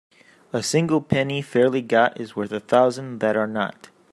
A single penny fairly got is worth a thousand that are not.